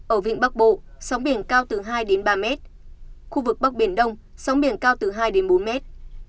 ở vịnh bắc bộ sóng biển cao từ hai đến ba mét khu vực bắc biển đông sóng biển cao từ hai đến bốn mét